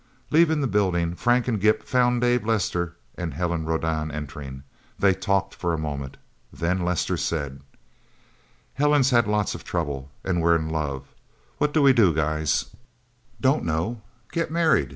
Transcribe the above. Leaving the building, Frank and Gimp found Dave Lester and Helen Rodan entering. They talked for a moment. Then Lester said: "Helen's had lots of trouble. And we're in love. What do we do, guys?" "Dunno get married?"